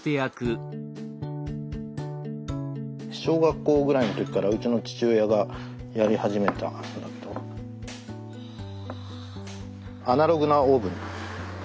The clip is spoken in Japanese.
小学校ぐらいの時からうちの父親がやり始めたことだけど「アナログなオーブン」。